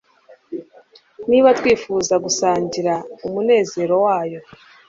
Niba twifuza gusangira umunezero wayo-